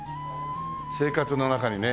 生活の中にね